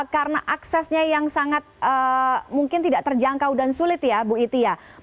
karena aksesnya yang sangat mungkin tidak terjangkau dan sulit ya ibu iti ya